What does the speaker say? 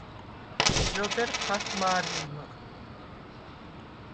ჟ’ოდერ ჴაც მა̄რილმჷყ.